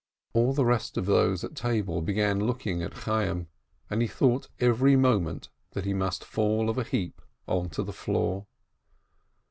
All the rest of those at table began looking at Chay yim, and he thought every moment that he must fall of a heap onto the floor.